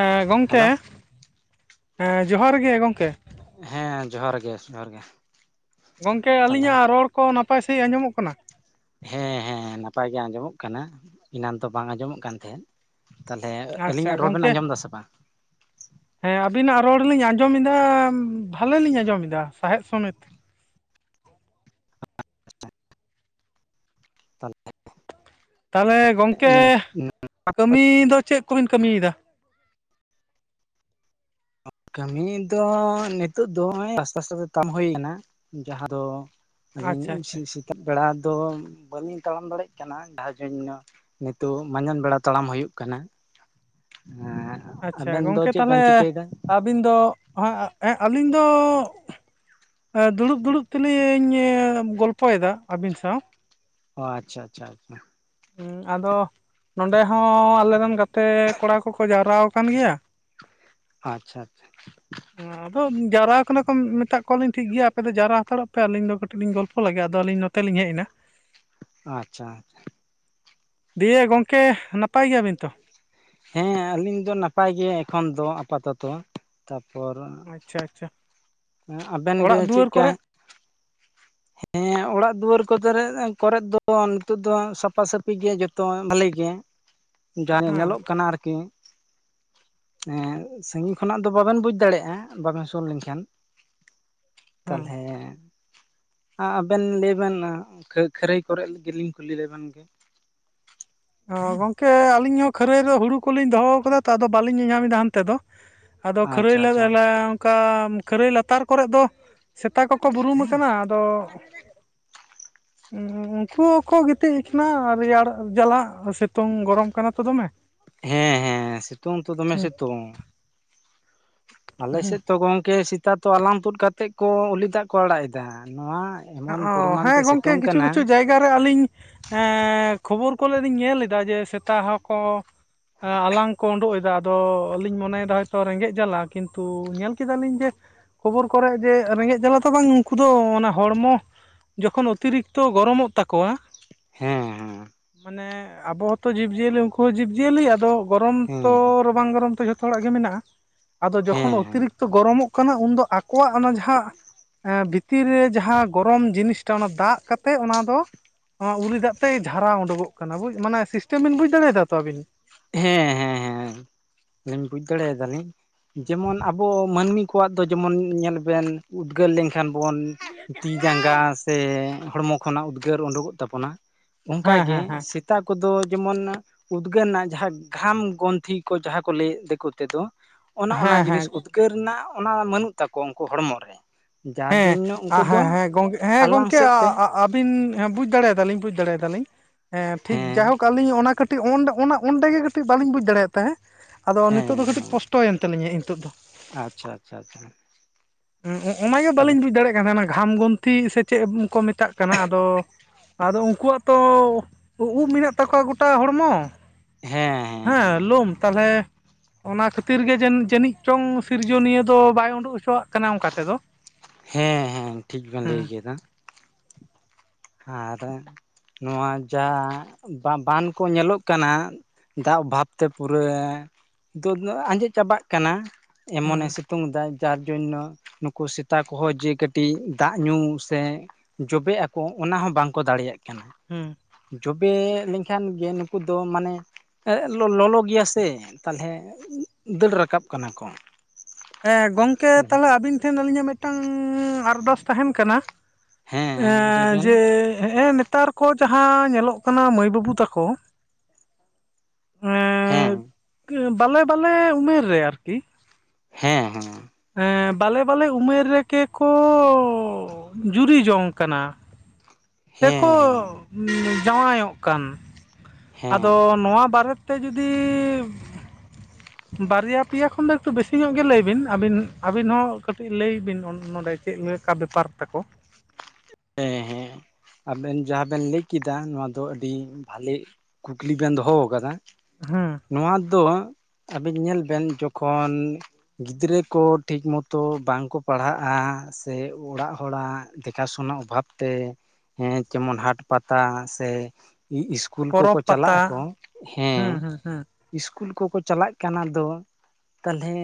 ᱮᱸ ᱜᱚᱢᱠᱮ ᱦᱮᱞᱳ ᱦᱮᱸ ᱡᱚᱦᱟᱨ ᱜᱮ ᱜᱚᱢᱠᱮ ᱦᱮᱸ ᱡᱚᱦᱟᱨ ᱜᱮ ᱡᱚᱦᱟᱨ ᱜᱮ ᱜᱚᱝᱠᱮ ᱛᱟᱦᱚᱞᱮ ᱟᱹᱞᱤᱧᱟᱜ ᱨᱚᱲ ᱠᱚ ᱱᱟᱯᱟᱭ ᱥᱟᱺᱦᱤᱡ ᱟᱸᱡᱚᱢᱚᱜ ᱠᱟᱱᱟ ᱦᱮᱸ ᱦᱮᱸ ᱱᱟᱯᱟᱭ ᱜᱮ ᱟᱸᱡᱚᱢᱚᱜ ᱠᱟᱱᱟ ᱮᱱᱟᱱ ᱫᱚ ᱵᱟᱝ ᱟᱸᱡᱚᱢᱚᱜ ᱠᱟᱱ ᱛᱟᱦᱮᱸᱫ ᱛᱟᱦᱞᱮ ᱟᱪᱪᱷᱟ ᱟᱹᱞᱤᱧᱟᱜ ᱨᱚᱲ ᱵᱮᱱ ᱜᱚᱝᱠᱮ ᱟᱸᱡᱚᱢᱫᱟ ᱥᱮ ᱵᱟᱝ ᱦᱮᱸ ᱟᱵᱤᱱᱟᱜ ᱨᱚᱲ ᱞᱤᱧ ᱟᱸᱡᱚᱢ ᱮᱫᱟ ᱵᱷᱟᱞᱮ ᱞᱤᱧ ᱟᱸᱡᱚᱢ ᱫᱟ ᱥᱟᱦᱮᱫ ᱥᱚᱢᱮᱛ ᱛᱟᱦᱞᱮ ᱜᱚᱢᱠᱮ ᱛᱟᱦᱚᱞᱮ ᱠᱟᱹᱢᱤ ᱫᱚ ᱪᱮᱫ ᱠᱚᱵᱤᱱ ᱠᱟᱹᱢᱤᱭᱮᱫᱟ ᱠᱟᱹᱢᱤ ᱫᱚ ᱱᱤᱛᱚᱜ ᱫᱚ ᱱᱚᱜᱚᱭ ᱟᱥᱵᱟᱥ ᱠᱚᱜᱮ ᱠᱟᱢᱤ ᱦᱩᱭ ᱠᱟᱱᱟ ᱡᱟᱦᱟᱸ ᱫᱚ ᱟᱪᱪᱷᱟ ᱟᱹᱞᱤᱧ ᱟᱪᱪᱷᱟ ᱥᱮ ᱥᱮᱛᱟᱜ ᱵᱮᱲᱟ ᱫᱚ ᱵᱟᱹᱞᱤᱧ ᱛᱟᱲᱟᱢ ᱫᱟᱲᱮᱜ ᱠᱟᱱᱟ ᱡᱟ ᱡᱚᱱᱱᱚ ᱱᱤᱛᱚᱜ ᱢᱟᱡᱟᱱ ᱵᱮᱲᱟ ᱛᱟᱲᱟᱢ ᱦᱩᱭᱩᱜ ᱠᱟᱱᱟ ᱮᱸ ᱟᱪᱪᱷᱟ ᱜᱚᱢᱠᱮ ᱛᱟᱦᱚᱞᱮ ᱟᱹᱵᱤᱱ ᱫᱚ ᱦᱟᱜ ᱟᱹᱞᱤᱧ ᱫᱚ ᱫᱩᱲᱩᱵ ᱫᱩᱲᱩᱵ ᱛᱮᱞᱤᱧ ᱜᱚᱞᱯᱚᱭᱮᱫᱟ ᱟᱹᱵᱤᱱ ᱥᱟᱶ ᱚ ᱟᱪᱪᱷᱟ ᱟᱪᱪᱷᱟ ᱟᱪᱪᱷᱟ ᱟᱫᱚ ᱱᱚᱰᱮ ᱦᱚᱸ ᱟᱞᱮᱨᱮᱱ ᱜᱟᱛᱮ ᱠᱚᱲᱟ ᱠᱚᱠᱚ ᱡᱟᱣᱨᱟ ᱟᱠᱟᱱ ᱜᱮᱭᱟ ᱟᱪᱪᱷᱟ ᱟᱪᱪᱷᱟ ᱟᱫᱚ ᱡᱟᱣᱨᱟ ᱠᱟᱱᱟ ᱠᱚ ᱢᱮᱛᱟ ᱠᱚᱣᱟᱞᱤᱧ ᱴᱷᱤᱠ ᱜᱮᱭᱟ ᱟᱯᱮ ᱫᱚ ᱡᱟᱣᱨᱟ ᱦᱟᱛᱟᱲᱚᱜ ᱯᱮ ᱟᱹᱞᱤᱧ ᱫᱚ ᱠᱟᱹᱴᱤᱡ ᱞᱤᱧ ᱜᱚᱞᱯᱚ ᱞᱮᱜᱮ ᱟᱫᱚ ᱟᱹᱞᱤᱧ ᱱᱚ ᱛᱮᱞᱤᱧ ᱦᱮᱡ ᱮᱱᱟ ᱟᱪᱪᱷᱟ ᱫᱤᱭᱮ ᱜᱚᱝᱠᱮ ᱱᱟᱯᱟᱭ ᱜᱮᱭᱟ ᱵᱤᱱ ᱛᱚ ᱦᱮᱸ ᱟᱹᱞᱤᱧ ᱫᱚ ᱱᱟᱯᱟᱭ ᱜᱮ ᱮᱠᱷᱚᱱ ᱫᱚ ᱟᱯᱟᱛᱚᱛᱚ ᱛᱟᱯᱚᱨ ᱟᱪᱪᱷᱟ ᱟᱪᱪᱷᱟ ᱮ ᱟᱵᱮᱱ ᱜᱮ ᱚᱲᱟᱜ ᱪᱮᱫ ᱫᱩᱣᱟᱹᱨ ᱠᱟ ᱠᱚᱨᱮ ᱦᱮᱸ ᱚᱲᱟᱜ ᱫᱩᱣᱟᱹᱨ ᱠᱚᱫᱚᱨᱮᱫ ᱠᱚᱨᱮᱫ ᱫᱚ ᱱᱤᱛᱚᱜ ᱫᱚ ᱥᱟᱯᱟ ᱥᱟᱹᱯᱤ ᱜᱮᱭᱟ ᱡᱚᱛᱚᱣᱟᱜ ᱵᱷᱟᱹᱞᱤ ᱜᱮᱭᱟ ᱡᱟᱦᱟ ᱦᱮᱸ ᱧᱮᱞᱚᱜ ᱠᱟᱱᱟ ᱟᱨᱠᱤ ᱮᱸ ᱥᱟᱺᱜᱤᱧ ᱠᱷᱚᱱᱟᱜ ᱫᱚ ᱵᱟᱵᱮᱱ ᱵᱩᱡ ᱫᱟᱲᱮᱭᱟᱜᱼᱟ ᱵᱟᱵᱮᱱ ᱥᱩᱨ ᱞᱮᱱᱠᱷᱟᱱ ᱦᱮᱸ ᱛᱟᱞᱦᱮ ᱟᱵᱮᱱ ᱞᱟᱹᱭ ᱵᱮᱱ ᱠᱷᱟᱹᱨᱟᱹᱭ ᱠᱚᱨᱮ ᱜᱮᱞᱤᱧ ᱠᱩᱞᱤ ᱞᱮᱵᱮᱱ ᱜᱮ ᱚ ᱜᱚᱝᱠᱮ ᱟᱹᱞᱤᱧ ᱦᱚᱸ ᱠᱷᱟᱹᱨᱟᱹᱭ ᱨᱮ ᱦᱩᱲᱩ ᱠᱚᱞᱤᱧ ᱫᱚᱦᱚ ᱠᱟᱫᱟ ᱛᱚ ᱟᱫᱚ ᱵᱟᱹᱞᱤᱧ ᱧᱮᱞᱧᱟᱢ ᱮᱫᱟ ᱦᱟᱱᱛᱮ ᱫᱚ ᱟᱫᱚ ᱠᱷᱟᱹᱨᱟᱹᱭ ᱟᱪᱪᱷᱟ ᱟᱪᱪᱷᱟ ᱞᱮᱫᱞᱮ ᱠᱟ ᱠᱷᱟᱹᱨᱟᱹᱭ ᱞᱟᱛᱟᱨ ᱠᱚᱨᱮᱫ ᱫᱚ ᱥᱮᱛᱟ ᱠᱚᱠᱚ ᱵᱩᱨᱩᱢ ᱠᱟᱱᱟ ᱟᱫᱚ ᱩᱱᱠᱩ ᱦᱚᱸᱠᱚ ᱜᱤᱛᱤᱡ ᱠᱟᱱᱟ ᱨᱮᱭᱟᱲ ᱡᱟᱞᱟᱜ ᱥᱤᱛᱩᱝ ᱜᱚᱨᱚᱢ ᱠᱟᱱᱟ ᱛᱚ ᱫᱚᱢᱮ ᱦᱮᱸ ᱦᱮᱸ ᱥᱤᱛᱩᱝ ᱛᱚ ᱫᱚᱢᱮ ᱦᱩᱸ ᱥᱤᱛᱩᱝ ᱟᱞᱮ ᱥᱮᱫ ᱛᱚ ᱜᱚᱝᱠᱮ ᱥᱮᱛᱟ ᱛᱚ ᱟᱞᱟᱝ ᱛᱩᱫ ᱠᱟᱛᱮᱫ ᱠᱚ ᱩᱞᱤ ᱫᱟᱜ ᱠᱚ ᱟᱲᱟᱜ ᱮᱫᱟ ᱱᱚᱣᱟ ᱮᱢᱚᱱ ᱚ ᱯᱚᱨᱤᱢᱟᱱ ᱦᱮᱸ ᱛᱮ ᱜᱚᱝᱠᱮ ᱥᱤᱛᱩᱝ ᱠᱤᱪᱷᱩ ᱠᱟᱱᱟ ᱠᱤᱪᱷᱩ ᱡᱟᱭᱜᱟ ᱜᱟᱨᱮ ᱟᱹᱞᱤᱧ ᱠᱷᱚᱵᱚᱨ ᱠᱚᱨᱮᱫ ᱞᱤᱧ ᱧᱮᱞ ᱮᱫᱟ ᱡᱮ ᱥᱮᱛᱟ ᱦᱚᱸᱠᱚ ᱟᱞᱟᱝ ᱠᱚ ᱩᱰᱩᱠ ᱮᱫᱟ ᱟᱫᱚ ᱟᱹᱞᱤᱧ ᱢᱚᱱᱮᱭᱮᱫᱟ ᱦᱚᱭᱛᱳ ᱨᱮᱸᱜᱮᱡ ᱡᱟᱞᱟ ᱠᱤᱱᱛᱩ ᱧᱮᱞ ᱠᱮᱫᱟᱞᱤᱧ ᱡᱮ ᱠᱷᱚᱵᱚᱨ ᱠᱚᱨᱮᱜ ᱡᱮ ᱨᱮᱸᱜᱮᱡ ᱡᱟᱞᱟ ᱫᱚ ᱵᱟᱝ ᱩᱱᱠᱩ ᱫᱚ ᱚᱱᱟ ᱦᱚᱲᱢᱚ ᱡᱚᱠᱷᱚᱱ ᱚᱛᱤᱨᱤᱠᱛᱚ ᱜᱚᱨᱚᱢᱚᱜ ᱛᱟᱠᱚᱣᱟ ᱦᱮᱸ ᱢᱟᱱᱮ ᱟᱵᱚ ᱦᱚᱸᱛᱚ ᱡᱤᱵᱼᱡᱤᱭᱟᱹᱞᱤ ᱩᱱᱠᱩ ᱦᱚᱸ ᱡᱤᱵᱼᱡᱤᱭᱟᱹᱞᱤ ᱟᱫᱚ ᱜᱚᱨᱚᱢ ᱦᱮᱸ ᱛᱚ ᱨᱟᱵᱟᱝ ᱜᱚᱨᱚᱢ ᱛᱚ ᱡᱷᱚᱛᱚ ᱦᱚᱲᱟᱜ ᱜᱮ ᱢᱮᱱᱟᱜᱼᱟ ᱟᱫᱚ ᱡᱚᱠᱷᱚᱱ ᱦᱮᱸ ᱦᱮᱸ ᱚᱛᱤᱨᱤᱠᱛᱚ ᱜᱚᱨᱚᱢᱚᱜ ᱠᱟᱱᱟ ᱩᱱᱫᱚ ᱟᱠᱚᱣᱟᱜ ᱚᱱᱟ ᱡᱟᱦᱟᱸ ᱵᱷᱤᱛᱤᱨ ᱨᱮ ᱡᱟᱦᱟᱸ ᱜᱚᱨᱚᱢ ᱡᱤᱱᱤᱥᱴᱟᱜ ᱚᱱᱟ ᱫᱟᱜ ᱠᱟᱛᱮᱫ ᱚᱱᱟ ᱫᱚ ᱱᱚᱣᱟ ᱩᱞᱤ ᱫᱟᱜ ᱛᱮᱭ ᱡᱷᱟᱨᱟᱣ ᱩᱰᱩᱝᱚᱜ ᱠᱟᱱᱟ ᱵᱩᱡ ᱢᱟᱱᱮ ᱥᱤᱥᱴᱮᱢ ᱵᱤᱱ ᱵᱩᱡ ᱫᱟᱲᱮᱭᱟᱫᱟ ᱛᱚ ᱟᱹᱵᱤᱱ ᱦᱮᱸ ᱦᱮᱸ ᱦᱮᱸ ᱟᱞᱤᱧ ᱵᱩᱡ ᱫᱟᱲᱮᱭᱟᱫᱟ ᱞᱤᱧ ᱡᱮᱢᱚᱱ ᱟᱵᱚ ᱢᱟᱹᱱᱢᱤ ᱠᱚᱣᱟᱜ ᱫᱚ ᱡᱮᱢᱚᱱ ᱧᱮᱞ ᱵᱮᱱ ᱩᱫᱽᱜᱟᱹᱨ ᱞᱮᱱᱠᱷᱟᱱ ᱵᱚᱱ ᱛᱤ ᱡᱟᱸᱜᱟ ᱛᱮ ᱦᱚᱲᱢᱚ ᱠᱷᱚᱱᱟᱜ ᱩᱫᱽᱜᱟᱹᱨ ᱳᱰᱳᱠᱚᱜ ᱛᱟᱵᱚᱱᱟ ᱚᱱᱠᱟ ᱦᱮᱸ ᱜᱮ ᱦᱮᱸ ᱦᱮᱸ ᱥᱤ ᱛᱟ ᱠᱚ ᱫᱚ ᱡᱮᱢᱚᱱ ᱩᱫᱽᱜᱟᱹᱨ ᱱᱟᱭ ᱡᱟᱦᱟᱸ ᱜᱷᱟᱢ ᱜᱚᱱᱛᱷᱤ ᱠᱚ ᱡᱟᱦᱟᱸ ᱠᱚ ᱞᱟᱹᱭ ᱫᱮᱠᱳ ᱛᱮᱫᱚ ᱚᱱᱮ ᱚᱱᱟ ᱡᱤᱱᱤᱥ ᱦᱮᱸ ᱩ ᱴᱟᱹᱠᱟᱹᱨ ᱨᱮᱱᱟᱜ ᱚᱱᱟ ᱵᱟᱹᱱᱩᱜ ᱛᱟᱠᱚᱣᱟ ᱩᱱᱠᱩ ᱦᱚᱲᱢᱚ ᱨᱮ ᱡᱟᱨ ᱦᱮᱸ ᱡᱚᱱᱱᱚ ᱩᱱᱠᱩ ᱫᱚ ᱦᱮᱸ ᱦᱮᱸ ᱜᱚᱝ ᱦᱮᱸ ᱟᱞᱟᱝ ᱜᱚᱢᱠᱮ ᱥᱮᱫ ᱛᱮ ᱟᱵᱤᱱ ᱦᱮᱸ ᱵᱩᱡ ᱫᱟᱲᱮᱭᱟᱫᱟ ᱞᱤᱧ ᱵᱩᱡ ᱫᱟᱲᱮᱭᱟᱫᱟ ᱞᱤᱧ ᱦᱮᱸ ᱴᱷᱤᱠ ᱡᱟᱭᱦᱳᱠ ᱟᱹᱞᱤᱧ ᱚᱱᱟ ᱠᱟᱹᱴᱤᱡ ᱚᱱᱟ ᱚᱸᱰᱮᱜᱮ ᱠᱟᱹᱴᱤᱡ ᱵᱟᱞᱤᱧ ᱵᱩᱡᱽ ᱫᱟᱲᱮᱭᱟᱜ ᱛᱟᱦᱮᱸᱫ ᱟᱫᱚ ᱦᱮᱸ ᱱᱤᱛᱳᱜ ᱫᱚ ᱠᱟᱹᱴᱤᱡ ᱦᱮᱸ ᱠᱚᱥᱴᱚᱭᱮᱱ ᱛᱟᱹᱞᱤᱧᱟ ᱦᱤ ᱱᱤᱛᱳᱜ ᱫᱚ ᱟᱪᱪᱷᱟ ᱟᱪᱪᱷᱟ ᱟᱪᱪᱷᱟ ᱚᱱᱟᱜᱮ ᱛᱟᱦᱚᱞᱮ ᱵᱟᱹᱞᱤᱧ ᱵᱩᱡᱽ ᱫᱟᱲᱮᱭᱟᱜ ᱠᱟᱱ ᱛᱟᱦᱮᱱᱟ ᱜᱷᱟᱢ ᱜᱩᱱᱛᱤ ᱥᱮ ᱪᱮᱫ ᱠᱚ ᱢᱮᱛᱟᱜ ᱠᱟᱱᱟ ᱟᱫᱚ ᱟᱫᱚ ᱩᱱᱠᱩᱣᱟᱜ ᱛᱚ ᱩᱵ ᱢᱮᱱᱟᱜ ᱛᱟᱠᱚᱣᱟ ᱜᱚᱴᱟ ᱦᱚᱲᱢᱚ ᱦᱮᱸ ᱞᱳᱢ ᱛᱟᱦᱚᱞᱮ ᱚᱱᱟ ᱠᱷᱟᱹᱛᱤᱨ ᱜᱮ ᱡᱟᱹᱱᱤᱡ ᱪᱚᱝ ᱥᱤᱨᱡᱚᱱᱤᱭᱟᱹ ᱫᱚ ᱵᱟᱭ ᱩᱰᱩᱠ ᱦᱚᱪᱚᱣᱟᱜ ᱠᱟᱱᱟ ᱚᱱᱠᱟ ᱛᱮ ᱫᱚ ᱦᱮᱸ ᱦᱮᱸ ᱴᱷᱤᱠ ᱵᱮᱱ ᱞᱟᱹᱭ ᱠᱮᱫᱟ ᱟᱨ ᱱᱚᱣᱟ ᱡᱟ ᱵᱟ ᱵᱟᱱ ᱠᱚ ᱧᱮᱞᱚᱜ ᱠᱟᱱᱟ ᱫᱟᱜ ᱚᱵᱷᱟᱵᱛᱮ ᱯᱩᱨᱟᱹ ᱫᱚ ᱟᱸᱡᱮᱫ ᱪᱟᱵᱟᱜ ᱠᱟᱱᱟ ᱮᱢᱚᱱᱮ ᱥᱤ ᱦᱩᱸ ᱥᱤᱛᱩᱝ ᱮᱫᱟ ᱡᱟᱨ ᱡᱚᱱᱚ ᱱᱩᱠᱩ ᱥᱮᱛᱟ ᱠᱚᱦᱚᱸ ᱡᱮ ᱠᱟᱹᱴᱤᱡ ᱫᱟᱜ ᱧᱩ ᱥᱮ ᱡᱚᱵᱮᱜ ᱟᱠᱚ ᱚᱱᱟ ᱦᱚᱸ ᱵᱟᱝ ᱠᱚ ᱫᱟᱲᱮᱭᱟᱜ ᱠᱟᱱᱟ ᱦᱩᱸ ᱡᱚᱵᱮ ᱞᱮᱱᱠᱷᱟᱱ ᱜᱮ ᱱᱩᱠᱩ ᱫᱚ ᱢᱟᱱᱮ ᱞᱚᱞᱚ ᱜᱮᱭᱟ ᱥᱮ ᱛᱟᱦᱚᱞᱮ ᱫᱟᱹᱲ ᱨᱟᱠᱟᱵ ᱠᱟᱱᱟ ᱠᱚ ᱾ ᱦᱮᱸ ᱜᱚᱝᱠᱮ ᱛᱟᱦᱚᱞᱮ ᱟᱹᱵᱤᱱ ᱴᱷᱮᱱ ᱟᱹᱞᱤᱧᱟᱜ ᱢᱤᱫᱴᱟᱝᱻ ᱟᱨᱫᱟᱥ ᱛᱟᱦᱮᱱ ᱠᱟᱱᱟ ᱦᱮᱸ ᱦᱮᱸ ᱞᱟᱹᱭ ᱮᱸᱻ ᱵᱮᱱ ᱡᱮ ᱱᱮᱛᱟᱨ ᱠᱚ ᱡᱟᱦᱟᱸ ᱧᱮᱞᱚᱜ ᱠᱟᱱᱟ ᱢᱟᱹᱭ ᱵᱟᱹᱵᱩ ᱛᱟᱠᱚ ᱮᱸ ᱦᱮᱸ ᱵᱟᱞᱮ ᱵᱟᱞᱮ ᱩᱢᱮᱨ ᱨᱮ ᱟᱨᱠᱤ ᱦᱮᱸ ᱦᱮᱸ ᱵᱟᱞᱮ ᱵᱟᱞᱮ ᱩᱢᱮᱨ ᱨᱮᱜᱮ ᱠᱚᱻ ᱡᱩᱨᱤ ᱡᱚᱝ ᱠᱟᱱᱟ ᱾ ᱥᱮ ᱠᱚ ᱦᱮᱸ ᱦᱮᱸ ᱡᱟᱶᱟᱭᱚᱜ ᱠᱟᱱ ᱾ ᱦᱮᱸ ᱟᱫᱚ ᱱᱚᱣᱟ ᱵᱟᱨᱮ ᱛᱮ ᱡᱩᱫᱤᱻ [inaudible] ᱵᱟᱨᱭᱟ ᱯᱮᱭᱟ ᱠᱷᱚᱱ ᱫᱚ ᱮᱠᱴᱩ ᱵᱮᱥᱤ ᱧᱚᱜ ᱜᱮ ᱞᱟᱹᱭ ᱵᱤᱱ ᱟᱹᱵᱤᱱ ᱟᱹᱵᱤᱱ ᱦᱚᱸ ᱠᱟᱹᱴᱤᱡ ᱞᱟᱹᱭ ᱵᱤᱱ ᱱᱚᱰᱮ ᱪᱮᱫ ᱞᱮᱠᱟ ᱵᱮᱯᱟᱨ ᱯᱟᱨ ᱛᱟᱠᱚ? ᱦᱮᱸ ᱦᱮᱸ ᱟᱵᱮᱱ ᱡᱟᱦᱟᱸ ᱵᱮᱱ ᱞᱟᱹᱭ ᱠᱮᱫᱟ ᱱᱚᱣᱟ ᱫᱚ ᱟᱹᱰᱤ ᱵᱷᱟᱞᱮ ᱠᱩᱠᱞᱤ ᱵᱮᱱ ᱫᱚᱦᱚ ᱟᱠᱟᱫᱟ ᱦᱮᱸ ᱾ ᱱᱚᱣᱟ ᱫᱚ ᱟᱹᱵᱤᱱ ᱧᱮᱞ ᱵᱮᱱ ᱡᱚᱠᱷᱚᱱ ᱜᱤᱫᱽᱨᱟᱹ ᱠᱚ ᱴᱷᱤᱠ ᱢᱚᱛᱚ ᱵᱟᱝ ᱠᱚ ᱯᱟᱲᱦᱟᱜᱼᱟ ᱥᱮ ᱚᱲᱟᱜ ᱦᱚᱲᱟᱜ ᱫᱮᱠᱷᱟ ᱥᱳᱱᱟ ᱵᱷᱟᱵᱽ ᱛᱮ ᱡᱮᱢᱚᱱ ᱦᱟᱴ ᱯᱟᱛᱟ ᱥᱮ ᱤᱥᱠᱩᱞ ᱠᱚᱠᱚ ᱯᱚᱨᱚᱵᱽ ᱪᱟᱞᱟᱜ ᱟᱠᱚ ᱯᱟᱛᱟ ᱦᱮᱸ ᱤᱥᱠᱩᱞ ᱠᱚᱠᱚ ᱪᱟᱞᱟᱜ ᱠᱟᱱ ᱟᱫᱚ ᱛᱟᱞᱦᱮ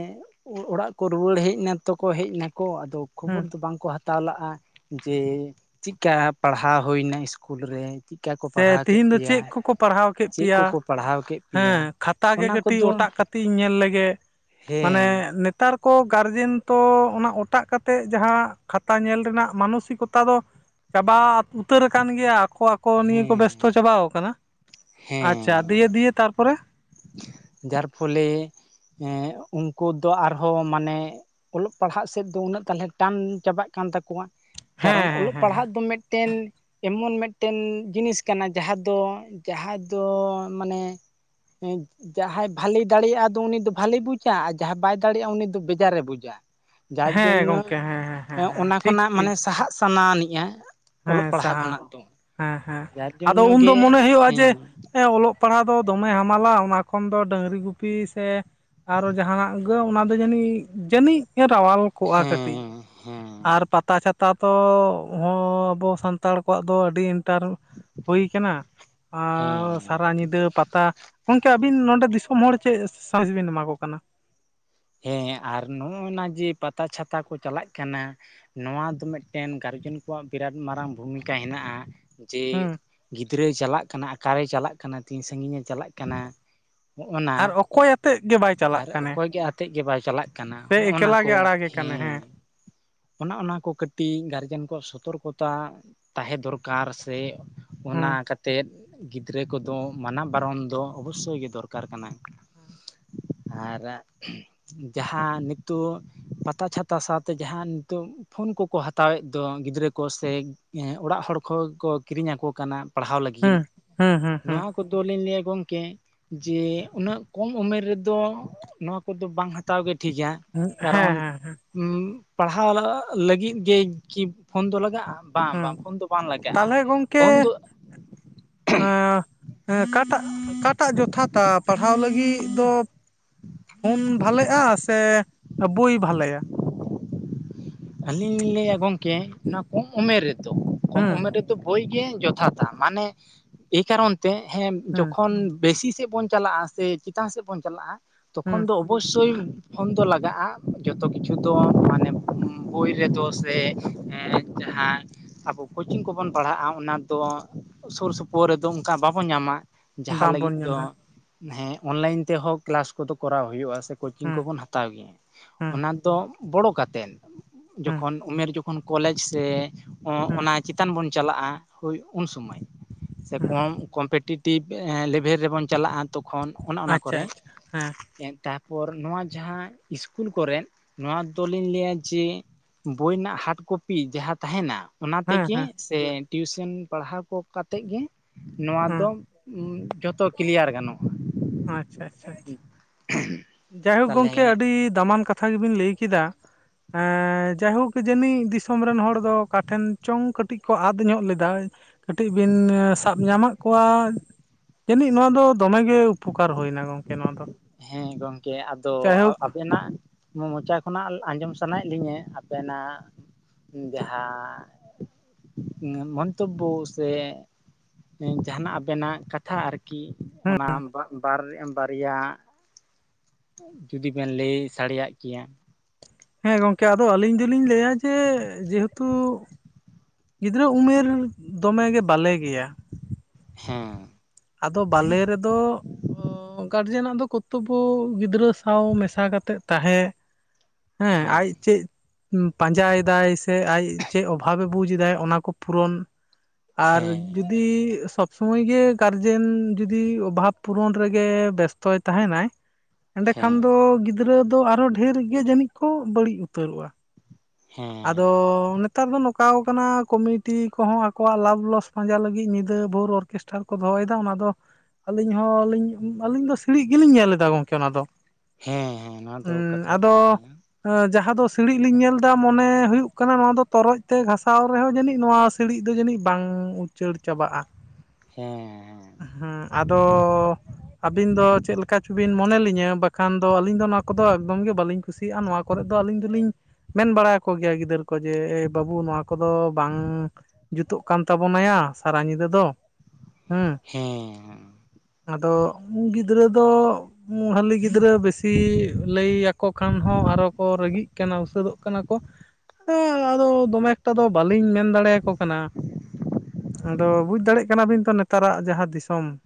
ᱚᱲᱟᱜ ᱠᱚ ᱨᱩᱣᱟᱹᱲ ᱦᱮᱡ ᱱᱟᱛᱚ ᱠᱚ ᱦᱮᱡ ᱱᱟᱠᱚ ᱟᱫᱚ ᱠᱷᱚᱵᱚᱨ ᱦᱮᱸ ᱫᱚ ᱵᱟᱝ ᱠᱚ ᱦᱟᱛᱟᱣ ᱞᱟᱜᱼᱟ ᱡᱮᱻ ᱪᱤᱜ ᱠᱟ ᱯᱟᱲᱦᱟᱣ ᱦᱩᱭᱱᱟ ᱤᱥᱠᱩᱞ ᱨᱮ? ᱠᱚ ᱥᱮ ᱯᱟᱲᱦᱟᱣ ᱠᱮᱫ ᱛᱤᱦᱤᱧ ᱫᱚ ᱯᱮᱭᱟ ᱪᱮᱫ ᱠᱚᱠᱚ ᱯᱟᱲᱦᱟᱣ ᱠᱮᱫ ᱪᱮᱫ ᱯᱮᱭᱟ ᱠᱚᱠᱚ ᱯᱟᱲᱦᱟᱣ ᱠᱮᱫ ᱯᱮᱭᱟ ᱦᱮᱸ ᱠᱷᱟᱛᱟ ᱜᱮ ᱚᱱᱟ ᱠᱟᱹᱴᱤᱡ ᱠᱚᱫᱚ ᱚᱴᱟᱜ ᱠᱟᱛᱮᱧ ᱧᱮᱞ ᱞᱮᱜᱮ ᱢᱟᱱᱮ ᱦᱮᱸ ᱱᱮᱛᱼᱼ ᱼᱛᱟᱨ ᱠᱚ ᱜᱟᱨᱡᱮᱱ ᱛᱚ ᱚᱱᱟ ᱚᱴᱟᱜ ᱠᱟᱛᱮᱫ ᱡᱟᱦᱟᱸ ᱠᱷᱟᱛᱟ ᱧᱮᱞ ᱨᱮᱱᱟᱜ ᱢᱟᱱᱚᱥᱤᱠᱚᱛᱟ ᱫᱚ ᱪᱟᱵᱟ ᱩᱛᱟᱹᱨ ᱟᱠᱟᱱ ᱜᱮᱭᱟ᱾ ᱟᱠᱚ ᱟᱠᱚ ᱱᱤᱭᱟᱹ ᱠᱚ ᱦᱮᱸ ᱵᱮᱥᱛᱚ ᱪᱟᱵᱟᱣ ᱟᱠᱟᱱᱟ᱾ ᱦᱮᱸ ᱟᱪᱪᱷᱟ ᱫᱤᱭᱮ ᱫᱤᱭᱮ ᱛᱟᱨᱯᱚᱨᱮ ᱡᱟᱨ ᱯᱷᱚᱞᱮ ᱩᱱᱠᱩ ᱫᱚ ᱟᱨᱦᱚᱸ ᱢᱟᱱᱮ ᱚᱞᱚᱜ ᱯᱟᱲᱦᱟᱜ ᱥᱮᱫ ᱫᱚ ᱩᱱᱟᱹᱜ ᱛᱟᱦᱚᱞᱮ ᱴᱟᱱ ᱪᱟᱵᱟᱜ ᱠᱟᱱ ᱛᱟᱠᱚᱣᱟ ᱦᱮᱸ ᱠᱟᱨᱚᱱ ᱦᱮᱸ ᱚᱞᱚᱜ ᱦᱮᱸ ᱦᱮᱸ ᱯᱟᱲᱦᱟᱜ ᱫᱚ ᱢᱤᱫᱴᱮᱱ ᱮᱢᱚᱱ ᱢᱤᱫᱴᱮᱱ ᱡᱤᱱᱤᱥ ᱠᱟᱱᱟ ᱡᱟᱦᱟᱸ ᱫᱚ ᱡᱟᱦᱟᱸ ᱫᱚ ᱢᱟᱱᱮ ᱦᱮᱸ ᱡᱟᱦᱟᱸᱭ ᱵᱷᱟᱞᱮᱭ ᱫᱟᱲᱮᱭᱟᱜᱼᱟ ᱟᱫᱚ ᱩᱱᱤ ᱫᱚ ᱵᱷᱟᱞᱮᱭ ᱵᱩᱡᱟ ᱟᱨ ᱡᱟᱦᱟᱸᱭ ᱵᱟᱭ ᱫᱟᱲᱮᱭᱟᱜᱼᱟ ᱩᱱᱤ ᱫᱚ ᱵᱮᱡᱟᱨᱮ ᱵᱩᱡᱟ ᱾ ᱡᱟᱨ ᱦᱮᱸ ᱡᱚᱱᱱᱚ ᱜᱚᱝᱠᱮ ᱦᱮᱸ ᱦᱮᱸ ᱦᱮᱸ ᱦᱮᱸ ᱚᱱᱟ ᱴᱷᱤᱠ ᱠᱷᱚᱱᱟᱜ ᱴᱷᱤᱠ ᱢᱟᱱᱮ ᱥᱟᱦᱟᱜ ᱥᱟᱱᱟ ᱟᱱᱤᱡᱼᱟ ᱾ ᱦᱮᱸ ᱥᱟᱦᱟ ᱦᱮᱸ ᱦᱮᱸ ᱡᱟᱨ ᱟᱫᱚ ᱡᱚᱱᱱᱚ ᱩᱱᱫᱚ ᱜᱮ ᱢᱚᱱᱮ ᱦᱩᱭᱩᱜᱼᱟ ᱡᱮ ᱦᱮᱸ ᱚᱞᱚᱜ ᱚᱞᱚᱜ ᱯᱟᱲᱦᱟᱣ ᱫᱚ ᱫᱚᱢᱮ ᱦᱟᱢᱟᱞᱟ ᱚᱱᱟ ᱠᱷᱚᱱ ᱫᱚ ᱰᱟᱹᱝᱨᱤ ᱜᱩᱯᱤ ᱥᱮ ᱟᱨᱚ ᱡᱟᱦᱟᱱᱟᱜ ᱜᱮ ᱚᱱᱟ ᱫᱚ ᱡᱟᱹᱱᱤᱡ ᱡᱟᱹᱱᱤᱡ ᱨᱟᱣᱟᱞ ᱠᱚᱜᱼᱟ ᱠᱟᱹᱴᱤᱡ ᱦᱮᱸ ᱦᱮᱸ ᱟᱨ ᱯᱟᱛᱟ ᱪᱷᱟᱛᱟ ᱫᱚ ᱦᱚᱸ ᱟᱵᱚ ᱥᱟᱱᱛᱟᱲ ᱠᱚᱣᱟᱜ ᱫᱚ ᱟᱹᱰᱤ ᱤᱱᱴᱟᱨᱼᱼ ᱦᱩᱭ ᱠᱟᱱᱟ ᱟᱨ ᱦᱮᱸ ᱥᱟᱨᱟ ᱧᱤᱫᱟᱹ ᱯᱟᱼᱼ ᱼᱛᱟ, ᱜᱚᱢᱠᱮ ᱟᱵᱤᱱ ᱱᱚᱰᱮ ᱫᱤᱥᱚᱢ ᱦᱚᱲ ᱪᱮᱫ ᱥᱟᱸᱫᱮᱥ ᱵᱤᱱ ᱮᱢᱟ ᱠᱚ ᱠᱟᱱᱟ? ᱦᱮᱸ ᱟᱨ ᱱᱚᱜᱼᱚᱭ ᱱᱟ ᱡᱮ ᱯᱟᱛᱟ ᱪᱷᱟᱛᱟ ᱠᱚ ᱪᱟᱞᱟᱜ ᱠᱟᱱᱟ ᱱᱚᱣᱟ ᱫᱚ ᱢᱤᱫᱴᱮᱱ ᱜᱟᱨᱡᱮᱱ ᱠᱚᱣᱟᱜ ᱵᱤᱨᱟᱴ ᱢᱟᱨᱟᱝ ᱵᱷᱩᱢᱤᱠᱟ ᱦᱮᱱᱟᱜᱼᱟ ᱡᱮ ᱦᱩᱸ ᱜᱤᱫᱽᱨᱟᱹᱭ ᱪᱟᱞᱟᱜ ᱠᱟᱱᱟ ᱟᱠᱟᱨᱮᱭ ᱪᱟᱞᱟᱜ ᱠᱟᱱᱟ ᱛᱤᱱ ᱥᱟᱹᱜᱤᱧ ᱮ ᱪᱟᱞᱟᱜ ᱠᱟᱱᱟ ᱱᱚᱜᱼᱚ ᱱᱟ ᱟᱨ ᱚᱠᱚᱭ ᱟᱛᱮᱫ ᱜᱮ ᱵᱟᱭ ᱪᱟᱞᱟᱜ ᱟᱨ ᱠᱟᱱᱮ ᱚᱠᱚᱭ ᱜᱮ ᱟᱛᱮᱫ ᱜᱮ ᱵᱟᱭ ᱪᱟᱞᱟᱜ ᱠᱟᱱᱟ? ᱥᱮ ᱦᱚᱸ ᱚᱱᱟ ᱮᱠᱞᱟ ᱠᱚ ᱜᱮ ᱟᱲᱟᱜᱮ ᱠᱟᱱᱮ ᱦᱮᱸ ᱚᱱᱟ ᱚᱱᱟ ᱠᱚ ᱠᱟᱹᱴᱤᱡ ᱜᱟᱨᱡᱮᱱ ᱠᱚᱣᱟᱜ ᱥᱚᱛᱚᱨᱠᱚᱛᱟ ᱛᱟᱦᱮᱸ ᱫᱚᱨᱠᱟᱨ ᱥᱮ ᱾ ᱦᱩᱸ ᱚᱱᱟ ᱠᱟᱛᱮᱫ ᱜᱤᱫᱽᱨᱟᱹ ᱠᱚᱫᱚ ᱢᱟᱱᱟ ᱵᱟᱨᱚᱱ ᱫᱚ ᱚᱵᱚᱥᱥᱳᱭ ᱜᱮ ᱫᱚᱨᱠᱟᱨ ᱠᱟᱱᱟ᱾ [inaudible] ᱟᱨ ᱡᱟᱦᱟᱸ ᱱᱤᱛᱚᱜ ᱯᱟᱛᱟ ᱪᱷᱟᱛᱟ ᱥᱟᱶᱛᱮ ᱡᱟᱦᱟᱸ ᱱᱤᱛᱚᱜ ᱯᱷᱳᱱ ᱠᱚᱠᱚ ᱦᱟᱛᱟᱣᱮᱫ ᱫᱚ ᱜᱤᱫᱽᱨᱟᱹ ᱠᱚ ᱥᱮ ᱚᱲᱟᱜ ᱦᱚᱲ ᱠᱚᱠᱚ ᱠᱤᱨᱤᱧ ᱟᱠᱚ ᱠᱟᱱᱟ᱾ ᱯᱟᱲᱦᱟᱣ ᱞᱟᱹᱜᱤᱫ ᱦᱩᱸ ᱦᱩᱸ ᱦᱩᱸ ᱦᱩᱸ ᱱᱚᱣᱟ ᱠᱚ ᱠᱚᱫᱚ ᱞᱤᱧ ᱞᱟᱹᱭᱟ ᱜᱚᱝᱠᱮ ᱡᱮ ᱩᱱᱟᱹᱜ ᱠᱚᱢ ᱩᱢᱮᱨ ᱨᱮᱫᱚ ᱱᱚᱣᱟ ᱠᱚᱫᱚ ᱵᱟᱝ ᱦᱟᱛᱟᱣ ᱜᱮ ᱴᱷᱤᱠᱟ ᱦᱩᱸ ᱦᱮᱸ ᱠᱟᱨᱚᱱ ᱦᱮᱸ ᱯᱟᱲᱦᱟᱣ ᱞᱟᱹᱜᱤᱫ ᱜᱮ ᱠᱤ ᱯᱷᱳᱱ ᱫᱚ ᱞᱟᱜᱟᱜᱼᱟ? ᱵᱟᱝ ᱵᱟᱝ ᱦᱮᱸ ᱯᱷᱳᱱ ᱫᱚ ᱵᱟᱝ ᱞᱟᱜᱟᱜᱼᱟ ᱛᱟᱦᱚᱞᱮ ᱯᱷᱳᱱ ᱫᱚ ᱮ [unintelligible] ᱦᱮᱸ ᱚᱠᱟᱴᱟᱜ ᱚᱠᱟᱴᱟᱜ ᱡᱚᱛᱷᱟᱛᱟ ᱯᱟᱲᱦᱟᱣ ᱞᱟᱹᱜᱤᱫ ᱫᱚ? ᱯᱷᱳᱱ ᱵᱷᱟᱞᱮᱜᱼᱟ ᱥᱮ ᱵᱩᱭ ᱵᱷᱟᱞᱮᱭᱟ? ᱟᱹᱞᱤᱧ ᱞᱤᱧ ᱞᱟᱹᱭᱟ ᱜᱚᱝᱠᱮ ᱚᱱᱟ ᱠᱚᱢ ᱩᱢᱮᱨ ᱨᱮᱫᱚ ᱠᱚᱢ ᱦᱮᱸ ᱩᱢᱮᱨ ᱨᱮᱫᱚ ᱵᱳᱭ ᱜᱮ ᱡᱚᱛᱷᱟᱛᱟ ᱢᱟᱱᱮ ᱮ ᱠᱟᱨᱚᱱ ᱛᱮ ᱦᱮᱸ ᱡᱚᱠᱷᱚᱱ ᱵᱮᱥᱤ ᱥᱮᱫ ᱵᱚᱱ ᱪᱟᱞᱟᱜᱼᱟ ᱥᱮ ᱪᱮᱛᱟᱱ ᱥᱮᱫ ᱵᱚᱱ ᱪᱟᱞᱟᱜᱼᱟ ᱦᱮᱸ ᱛᱚᱠᱷᱚᱱ ᱫᱚ ᱚᱵᱚᱥᱥᱳᱭ ᱯᱷᱳᱱ ᱫᱚ ᱞᱟᱜᱟᱜᱼᱟ ᱡᱚᱛᱚ ᱠᱤᱪᱷᱩ ᱛᱚ ᱢᱟᱱᱮ ᱵᱩᱭ ᱨᱮᱫᱚ ᱥᱮ ᱡᱟᱦᱟᱸ ᱟᱵᱚ ᱠᱳᱪᱤᱝ ᱠᱚᱵᱚᱱ ᱯᱟᱲᱦᱟᱜᱼᱟ ᱚᱱᱟ ᱫᱚ ᱥᱩᱨ ᱥᱩᱯᱩᱨ ᱨᱮᱫᱚ ᱚᱱᱠᱟ ᱵᱟᱵᱚᱱ ᱧᱟᱢᱟ᱾ ᱡᱟᱦᱟᱸ ᱞᱟᱹᱜᱤᱫ ᱵᱟᱝᱵᱚᱱ ᱫᱚ ᱧᱟᱢᱟ ᱦᱮᱸ ᱚᱱᱞᱟᱭᱟ. ᱤᱱ ᱛᱮᱦᱚᱸ ᱠᱮᱞᱟᱥ ᱠᱚᱫᱚ ᱠᱚᱨᱟᱣ ᱦᱩᱭᱩᱜᱼᱟ ᱥᱮ ᱠᱳᱪᱤᱝ ᱦᱮᱸ ᱠᱚᱵᱚᱱ ᱦᱟᱛᱟᱣ ᱜᱮᱭᱟ ᱦᱮᱸ ᱚᱱᱟ ᱫᱚ ᱵᱚᱲᱚ ᱠᱟᱛᱮᱫ ᱦᱮᱸ ᱡᱚᱠᱷᱚᱱ ᱩᱢᱮᱨ ᱡᱚᱠᱷᱚᱱ ᱩᱱᱤ ᱠᱚᱞᱮᱡᱽ ᱥᱮ ᱦᱮᱸ ᱚᱱᱟ ᱪᱮᱛᱟᱱ ᱵᱚᱱ ᱪᱟᱞᱟᱜᱼᱟ ᱦᱩᱭ ᱩᱱ ᱥᱚᱢᱚᱭ᱾ ᱥᱮ ᱦᱮᱸ ᱠᱚᱢ ᱠᱚᱢᱯᱮᱴᱤᱮᱴᱤᱵᱷ ᱞᱮᱵᱷᱮᱞ ᱨᱮᱵᱚᱱ ᱪᱟᱞᱟᱜᱼᱟ᱾ ᱛᱚᱠᱷᱚᱱ ᱚᱱᱟ ᱚᱱᱟ ᱟᱪᱪᱷᱟ ᱠᱚᱨᱮ ᱟᱪᱪᱷᱟ ᱦᱮᱸ ᱮᱱ ᱠᱷᱟᱱ ᱯᱚᱨ ᱱᱚᱣᱟ ᱡᱟᱦᱟᱸ ᱤᱥᱠᱩᱞ ᱠᱚᱨᱮ ᱱᱚᱣᱟ ᱫᱚ ᱞᱤᱧ ᱞᱟᱹᱭᱟ ᱡᱮ ᱵᱳᱭ ᱱᱟᱜ ᱦᱟᱨᱰ ᱠᱚᱯᱤ ᱡᱟᱦᱟᱸ ᱛᱟᱦᱮᱱᱟ ᱚᱱᱟ ᱦᱮᱸ ᱛᱮᱜᱮ ᱦᱮᱸ ᱥᱮ ᱴᱤᱭᱩᱥᱨᱱ ᱯᱟᱲᱦᱟᱣ ᱠᱚ ᱠᱟᱛᱮᱫ ᱜᱮ ᱱᱚᱣᱟ ᱦᱮᱸ ᱫᱚ ᱡᱚᱛᱚ ᱠᱤᱞᱭᱟᱨ ᱜᱟᱱᱚᱜᱼᱟ᱾ ᱟᱪᱷᱟ ᱟᱪᱪᱟ ᱟᱪᱷᱟ᱾ [inaudible] ᱡᱟᱭᱦᱳᱠ ᱛᱟᱦᱚᱞᱮ ᱜᱚᱝᱠᱮ ᱟᱹᱰᱤ ᱫᱟᱢᱟᱱ ᱠᱟᱛᱷᱟ ᱜᱮᱵᱤᱱ ᱞᱟᱹᱭ ᱠᱮᱫᱟ᱾ ᱮᱸ ᱡᱟᱭᱦᱳᱠ ᱡᱟᱹᱱᱤᱡ ᱫᱤᱥᱚᱢ ᱨᱮᱱ ᱦᱚᱲ ᱫᱚ ᱚᱠᱟ ᱴᱷᱮᱱ ᱪᱚᱝ ᱠᱟᱹᱴᱤᱡ ᱠᱚ ᱟᱫ ᱧᱚᱜ ᱞᱮᱫᱟ ᱾ ᱠᱟᱹᱴᱤᱡ ᱵᱤᱱ ᱥᱟᱵ ᱧᱟᱢᱟᱜ ᱠᱚᱣᱟ ᱾ ᱡᱟᱹᱱᱤᱡ ᱱᱚᱣᱟ ᱫᱚ ᱫᱚᱢᱮ ᱜᱮ ᱩᱯᱷᱚᱠᱟᱨ ᱦᱩᱭᱱᱟ ᱜᱚᱝᱠᱮ ᱱᱚᱣᱟ ᱫᱚ ᱾ ᱦᱮᱸ ᱜᱚᱝᱠᱮ ᱟᱫᱚ ᱟ ᱟᱵᱤᱱᱟᱜ ᱢᱚᱪᱟ ᱠᱷᱚᱱᱟᱜ ᱟᱸᱡᱚᱢ ᱥᱟᱱᱟᱭᱮᱫ ᱞᱤᱧᱟᱹ ᱦᱟᱯᱮᱱᱟᱜ ᱡᱟᱦᱟᱸ ᱢᱚᱱᱛᱚᱵᱩ ᱥᱮ ᱡᱟᱦᱟᱱᱟᱜ ᱟᱵᱮᱱᱟᱜ ᱠᱟᱛᱷᱟ ᱟᱨᱠᱤ ᱚᱱᱟ ᱵᱟᱝ ᱵᱟᱨᱭᱟ ᱡᱩᱫᱤ ᱵᱤᱱ ᱞᱟᱹᱭ ᱥᱟᱰᱮᱭᱟᱜ ᱠᱮᱭᱟ ᱾ ᱦᱮᱸ ᱜᱚᱝᱠᱮ ᱟᱫᱚ ᱟᱹᱞᱤᱧ ᱫᱚᱞᱤᱧ ᱞᱟᱹᱭᱟ ᱡᱮ ᱡᱮᱦᱮᱛᱩ ᱜᱤᱫᱽᱨᱟᱹ ᱩᱢᱮᱨ ᱫᱚᱢᱮ ᱜᱮ ᱵᱟᱞᱮ ᱜᱮᱭᱟ ᱾ ᱦᱮᱸ᱾ ᱟᱫᱚ ᱵᱟᱞᱮ ᱨᱮᱫᱚ ᱜᱟᱨᱡᱮᱱᱟᱜ ᱫᱚ ᱠᱚᱨᱛᱚᱵᱚ ᱜᱤᱫᱽᱨᱟᱹ ᱥᱟᱶ ᱢᱮᱥᱟ ᱠᱟᱛᱮᱫ ᱛᱟᱦᱮᱸ ᱦᱮᱸ ᱟᱡ ᱪᱮᱫ ᱯᱟᱸᱡᱟ ᱭᱮᱫᱟᱭ ᱥᱮ ᱟᱡ ᱪᱮᱫ ᱚᱵᱷᱟᱵᱽ ᱮ ᱵᱩᱡᱽ ᱮᱫᱟ ᱚᱱᱟ ᱠᱚ ᱯᱩᱨᱩᱱ ᱟᱨ ᱦᱮᱸ ᱡᱩᱫᱤ ᱥᱚᱵ ᱥᱚᱢᱚᱭ ᱜᱮ ᱠᱟᱨᱡᱮᱱ ᱡᱩᱫᱤ ᱚᱵᱷᱟᱵᱽ ᱯᱩᱨᱚᱱ ᱨᱮᱜᱮ ᱵᱮᱥᱛᱚᱭ ᱛᱟᱦᱮᱱᱟᱭ ᱮᱸᱰᱮᱠᱷᱟᱱ ᱦᱮᱸ ᱫᱚ ᱜᱤᱫᱽᱨᱟᱹ ᱫᱚ ᱟᱨᱦᱚ ᱰᱷᱮᱨ ᱜᱮ ᱡᱟᱹᱱᱤᱡ ᱠᱚ ᱵᱟᱹᱲᱤᱡ ᱩᱛᱟᱹᱨᱚᱜᱼᱟ ᱾ ᱟᱫᱚ ᱦᱮᱸ ᱱᱮᱛᱟᱨ ᱫᱚ ᱱᱚᱝᱠᱟ ᱠᱟᱱᱟ ᱠᱚᱢᱤᱴᱤ ᱠᱚᱦᱚᱸ ᱟᱠᱚᱣᱟᱜ ᱞᱟᱵᱷ ᱞᱚᱥ ᱯᱟᱸᱡᱟ ᱞᱟᱹᱜᱤᱫ ᱧᱤᱫᱟᱹ ᱵᱷᱳᱨ ᱚᱨ ᱚᱨᱠᱮᱥᱴᱟᱨ ᱠᱚ ᱫᱚᱦᱚ ᱮᱫᱟ ᱚᱱᱟ ᱫᱚ ᱾ ᱟᱹᱞᱤᱧ ᱦᱚᱸ ᱟᱹᱞᱤᱧ ᱟᱹᱞᱤᱧ ᱫᱚ ᱥᱤᱲᱤᱡ ᱜᱮᱞᱤᱧ ᱧᱮᱞ ᱮᱫᱟ ᱜᱚᱝᱠᱮ ᱚᱱᱟ ᱫᱚ ᱾ ᱦᱮᱸ ᱱᱚᱶᱟ ᱫᱚ ᱠᱟᱛᱷᱟ ᱠᱟᱱ ᱜᱮᱭᱟ ᱾ ᱟᱹᱻ ᱡᱟᱦᱟᱸ ᱫᱚ ᱥᱤᱲᱤᱡ ᱞᱤᱧ ᱧᱮᱞ ᱮᱫᱟ ᱾ ᱢᱚᱱᱮ ᱦᱩᱭᱩᱜ ᱠᱟᱱᱟ ᱱᱚᱣᱟ ᱫᱚ ᱛᱚᱨᱚᱡ ᱛᱮ ᱜᱷᱟᱥᱟᱣ ᱨᱮᱦᱚᱸ ᱡᱟᱹᱱᱤᱡ ᱱᱚᱣᱟ ᱥᱤᱲᱤᱡ ᱫᱚ ᱡᱟᱹᱱᱤᱡ ᱵᱟᱝ ᱩᱪᱟᱹᱲ ᱪᱟᱵᱟᱜ-ᱟ ᱾ ᱦᱮᱸ ᱦᱮᱸ ᱟᱫᱚ ᱟᱹᱵᱤᱱ ᱫᱚ ᱪᱮᱫ ᱞᱮᱠᱟ ᱪᱚ ᱵᱤᱱ ᱢᱚᱱᱮ ᱞᱤᱧᱟᱹ ᱵᱟᱠᱷᱟᱱ ᱫᱚ ᱟᱹᱞᱤᱧ ᱫᱚ ᱚᱱᱟ ᱠᱚᱫᱚ ᱮᱠᱫᱚᱢ ᱜᱮ ᱵᱟᱹᱞᱤᱧ ᱠᱩᱥᱤᱭᱟᱜ-ᱟ ᱱᱚᱣᱟ ᱠᱚᱨᱮᱫ ᱫᱚ ᱟᱹᱞᱤᱧ ᱫᱚᱞᱤᱧ ᱢᱮᱱ ᱵᱟᱲᱟ ᱠᱚᱜᱮᱭᱟ ᱜᱤᱫᱟᱹᱨ ᱠᱚ ᱡᱮ ᱵᱟᱹᱵᱩ ᱱᱚᱣᱟ ᱠᱚᱫᱚ ᱵᱟᱝ ᱡᱩᱛᱩᱜ ᱠᱟᱱ ᱛᱟᱵᱚᱱᱟᱭᱟ ᱥᱟᱨᱟ ᱧᱤᱫᱟᱹ ᱫᱚ ᱾ ᱦᱮᱸ ᱟᱫᱚ ᱩᱱ ᱜᱤᱫᱽᱨᱟᱹ ᱫᱚ ᱦᱟᱹᱞᱤ ᱜᱤᱫᱽᱨᱟᱹ ᱵᱮᱥᱤ ᱞᱟᱹᱭ ᱟᱠᱚ ᱠᱷᱟᱱ ᱦᱚᱸ ᱟᱨ ᱦᱳᱸᱠᱚ ᱨᱟᱹᱜᱤᱜ ᱠᱟᱱᱟ ᱩᱥᱟᱹᱫᱚᱜ ᱠᱟᱱᱟ ᱾ ᱠᱟᱱᱟ ᱠᱚ ᱟᱫᱚ ᱟᱫᱚ ᱫᱚᱢᱮ ᱮᱠᱴᱟ ᱫᱚ ᱵᱟᱹᱞᱤᱧ ᱢᱮᱱ ᱫᱟᱲᱮᱭᱟᱠᱚ ᱠᱟᱱᱟ ᱾ ᱟᱫᱚ ᱵᱩᱡᱽ ᱫᱟᱲᱮᱭᱟᱜ ᱠᱟᱱᱟ ᱵᱤᱱ ᱛᱚ ᱱᱮᱛᱟᱨᱟᱜ ᱡᱟᱦᱟᱸ ᱫᱤᱥᱚᱢ ᱾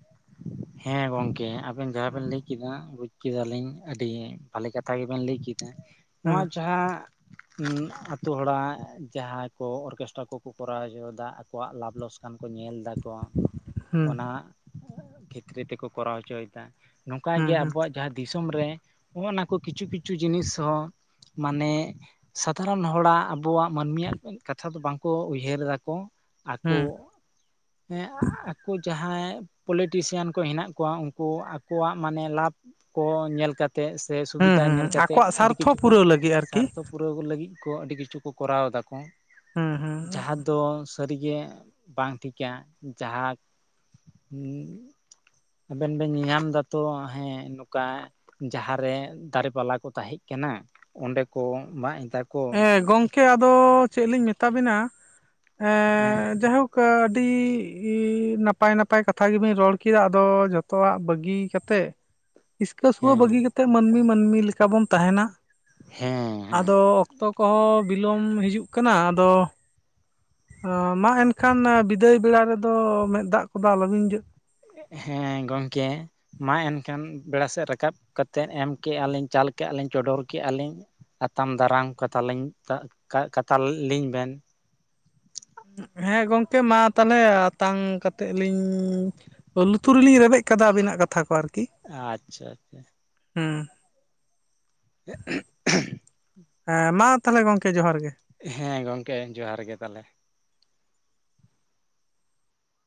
ᱦᱮᱸ ᱜᱚᱝᱠᱮ ᱟᱵᱤᱱ ᱡᱟᱦᱟᱸ ᱵᱤᱱ ᱞᱟᱹᱭ ᱠᱮᱫᱟ ᱵᱩᱡᱽ ᱠᱮᱫᱟ ᱞᱤᱧ ᱟᱹᱰᱤ ᱵᱷᱟᱞᱮ ᱠᱟᱛᱷᱟ ᱜᱮᱵᱤᱱ ᱞᱟᱹᱭ ᱠᱮᱫᱟ ᱱᱚᱣᱟ ᱦᱮᱸ ᱡᱟᱦᱟᱸ ᱟᱛᱳ ᱦᱚᱲᱟᱜ ᱡᱟᱦᱟᱸᱭ ᱠᱚ ᱚᱨᱠᱮᱥᱴᱨᱟ ᱠᱚᱠᱚ ᱠᱚᱨᱟᱣ ᱦᱚᱪᱚᱭᱟ ᱟᱠᱚᱣᱟᱜ ᱞᱟᱵᱷ ᱞᱚᱥ ᱾ ᱚᱱᱠᱟ ᱠᱚ ᱧᱮᱞ ᱮᱫᱟ ᱠᱚ ᱦᱮᱸ ᱚᱱᱟ ᱯᱷᱨᱤ ᱛᱮᱠᱚ ᱠᱚᱨᱟᱣ ᱦᱚᱪᱚᱭᱮᱫᱟ ᱱᱚᱝᱠᱟ ᱦᱮᱸ ᱜᱮ ᱦᱮᱸ ᱟᱵᱚᱣᱟᱜ ᱡᱟᱦᱟᱸ ᱫᱤᱥᱚᱢ ᱨᱮ ᱱᱚᱜ-ᱱᱚᱣᱟ ᱠᱚ ᱠᱤᱪᱷᱩ ᱠᱤᱪᱷᱩ ᱡᱤᱱᱤᱥ ᱦᱚᱸ ᱾ ᱢᱟᱱᱮ ᱥᱟᱫᱷᱟᱨᱚᱱ ᱦᱚᱲᱟᱜ ᱟᱵ ᱟᱵᱚᱣᱟᱜ ᱢᱟᱹᱱᱢᱤᱭᱟᱜ ᱠᱟᱛᱷᱟ ᱫᱚ ᱵᱟᱝᱠᱚ ᱩᱭᱦᱟᱹᱨ ᱮᱫᱟ ᱠᱚ ᱟᱠᱚ ᱦᱮᱸ ᱦᱮᱸ ᱟᱠᱚ ᱡᱟᱦᱟᱸᱭ ᱯᱚᱞᱤᱴᱤᱥᱤᱭᱟᱱ ᱠᱚ ᱦᱮᱱᱟᱜ ᱠᱚᱣᱟ ᱾ ᱩᱱᱠᱩ ᱟᱠᱚᱣᱟᱜ ᱢᱟᱱᱮ ᱞᱟᱵᱷ ᱠᱚ ᱧᱮᱞ ᱠᱟᱛᱮ ᱛᱮᱜ ᱥᱮ ᱦᱩᱸ ᱥᱩᱵᱤᱫᱟ ᱦᱩᱸ ᱧᱮᱞ ᱠᱟᱛᱮ ᱟᱠᱚᱣᱟᱜ ᱟᱹᱰᱤ ᱥᱟᱨᱛᱷᱚ ᱠᱤᱪᱷᱩ ᱠᱚ ᱯᱩᱨᱟᱹᱣ ᱞᱟᱹᱜᱤᱫ ᱟᱨᱠᱤ ᱥᱟᱨᱛᱷᱚᱯ ᱛᱮ ᱯᱩᱨᱟᱹᱣ ᱞᱟᱹᱜᱤᱫ ᱠᱚ ᱟᱹᱰᱤ ᱠᱤᱪᱷᱩ ᱠᱚ ᱠᱚᱨᱟᱣ ᱮᱫᱟ ᱠᱚ ᱾ ᱦᱩᱸ ᱦᱩᱸ ᱡᱟᱦᱟᱸ ᱫᱚ ᱥᱟᱹᱨᱤᱜᱮ ᱵᱟᱝ ᱴᱷᱤᱠᱟ ᱡᱟᱦᱟᱸ [unintelligible] ᱟᱵᱮᱱ ᱵᱮᱱ ᱧᱟᱢ ᱫᱟᱛᱚ ᱦᱮᱸ ᱱᱚᱝᱠᱟ ᱡᱟᱸᱦᱟ ᱨᱮ ᱫᱟᱨᱮ ᱯᱟᱞᱟ ᱠᱚ ᱛᱟᱦᱮᱸ ᱠᱟᱱᱟ ᱚᱸᱰᱮ ᱠᱚ ᱢᱟᱜ ᱮᱫᱟ ᱠᱚ ᱦᱮᱸ ᱜᱚᱝᱠᱮ ᱟᱫᱚ ᱪᱮᱫ ᱞᱤᱧ ᱢᱮᱛᱟ ᱵᱤᱱᱟ ᱦᱮᱸ ᱡᱟᱭ ᱦᱳᱠ ᱜᱚᱝᱠᱮ ᱟᱹᱰᱤ ᱱᱟᱯᱟᱭ ᱱᱟᱯᱟᱭ ᱠᱟᱛᱷᱟ ᱜᱮ ᱵᱤᱧ ᱨᱚᱲ ᱠᱮᱫᱟ ᱟᱫᱚ ᱡᱷᱚᱛᱚᱣᱟᱜ ᱵᱟᱹᱜᱤ ᱛᱮᱜ ᱦᱤᱥᱠᱟᱹᱵ ᱠᱚ ᱦᱮᱸ ᱵᱟᱹᱜᱤ ᱠᱟᱛᱮᱫ ᱢᱟᱹᱱᱢᱤ ᱢᱟᱹᱱᱢᱤ ᱞᱮᱠᱟ ᱵᱚᱱ ᱛᱟᱦᱮᱱᱟ ᱦᱮᱸ ᱟᱫᱚ ᱚᱠᱛᱚ ᱠᱚᱦᱚᱸ ᱵᱤᱞᱚᱢ ᱦᱤᱡᱩᱜ ᱠᱟᱱᱟ ᱟᱫᱚ ᱢᱟ ᱮᱱᱠᱷᱟᱱ ᱵᱤᱫᱟᱹᱭ ᱵᱮᱲᱟ ᱨᱮᱫᱚ ᱢᱮᱸᱫ ᱫᱟᱜ ᱠᱚᱫᱚ ᱟᱞᱚ ᱵᱤᱱ ᱦᱮᱸ ᱜᱚᱝᱠᱮ ᱢᱟ ᱮᱱᱠᱷᱟᱱ ᱵᱮᱲᱟ ᱥᱮᱫ ᱨᱟᱠᱟᱵ ᱠᱟᱛᱮᱫ ᱮᱢ ᱠᱮᱜ-ᱟ ᱞᱤᱧ ᱪᱟᱞ ᱠᱮᱜ-ᱟ ᱞᱤᱧ ᱪᱚᱰᱚᱨ ᱠᱮᱜ-ᱟ ᱞᱤᱧ ᱟᱛᱟᱝ ᱫᱟᱨᱟᱢ ᱠᱟᱛᱟᱞᱤᱧ ᱠᱟᱛᱟ ᱞᱤᱧ ᱵᱮᱱ ᱦᱮᱸ ᱜᱚᱝᱠᱮ ᱢᱟ ᱛᱟᱦᱚᱞᱮ ᱟᱛᱟᱝ ᱠᱟᱛᱮᱫ ᱞᱤᱧ ᱞᱩᱛᱩᱨ ᱨᱮ ᱞᱤᱧ ᱨᱮᱵᱮᱫ ᱠᱟᱫᱟ ᱟᱵᱤᱱᱟᱜ ᱠᱟᱛᱷᱟ ᱠᱚ ᱟᱨ ᱠᱤ ᱟᱪᱪᱷᱟ ᱟᱪᱪᱷᱟ ᱦᱩ [unintelligible] ᱦᱮ ᱢᱟ ᱛᱟᱦᱞᱮ ᱜᱚᱝᱠᱮ ᱡᱚᱦᱟᱨ ᱜᱮ ᱦᱮᱸ ᱜᱚᱝᱠᱮ ᱡᱚᱦᱟᱨ ᱜᱮ ᱛᱟᱦᱞᱮ